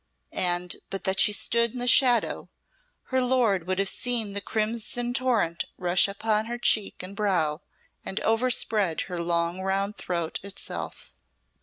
And but that she stood in the shadow, her lord would have seen the crimson torrent rush up her cheek and brow, and overspread her long round throat itself.